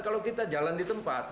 kalau kita jalan di tempat